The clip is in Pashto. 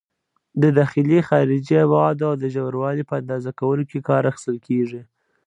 د داخلي، خارجي ابعادو او د ژوروالي په اندازه کولو کې کار اخیستل کېږي.